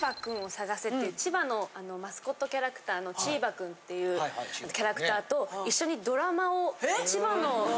っていう千葉のマスコットキャラクターのチーバくんっていうキャラクターと一緒にドラマを。